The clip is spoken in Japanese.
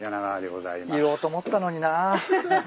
言おうと思ったのにな。